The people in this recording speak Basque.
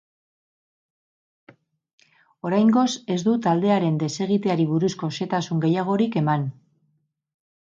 Oraingoz ez du taldearen desegiteari buruzko xehetasun gehiagorik eman.